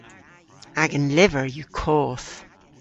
Agan lyver yw koth.